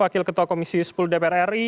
wakil ketua komisi sepuluh dpr ri